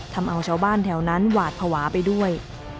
ทำเอาชาวบ้านแถวนั้นหวาดภาวะไปด้วย